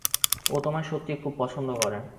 ও তোমায় সত্যিই খুব পছন্দ করে।